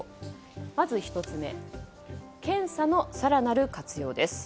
まず１つ目、検査の更なる活用。